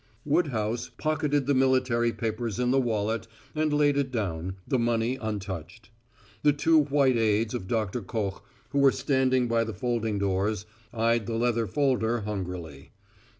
Woodhouse pocketed the military papers in the wallet and laid it down, the money untouched. The two white aids of Doctor Koch, who were standing by the folding doors, eyed the leather folder hungrily.